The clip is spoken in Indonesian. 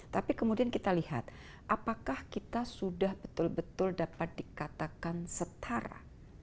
tapi kemudian kita lihat apakah kita sudah betul betul dapat dikatakan setara